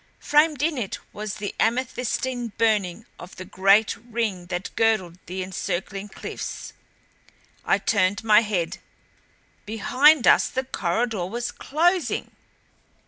Framed in it was the amethystine burning of the great ring that girdled the encircling cliffs. I turned my head behind us the corridor was closing!